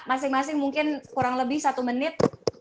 masing masing mungkin kurang lebih satu menit